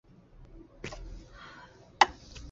三月卒于琼。